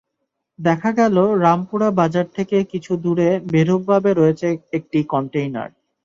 দেখা গেল, রামপুরা বাজার থেকে কিছু দূরে বেঢপভাবে রয়েছে একটি কনটেইনার।